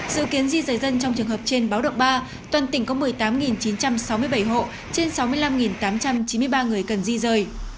dự kiến di rời dân trong trường hợp trên báo động ba toàn tỉnh có một mươi tám chín trăm sáu mươi bảy hộ trên sáu mươi năm tám trăm chín mươi ba người cần di rời